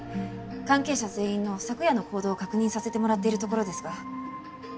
関係者全員の昨夜の行動を確認させてもらっているところですが。